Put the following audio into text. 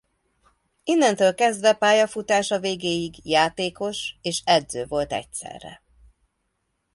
Innentől kezdve pályafutása végéig játékos és edző volt egyszerre.